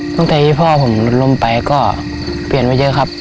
ตั้งแต่ที่พ่อผมล้มไปก็เปลี่ยนมาเยอะครับ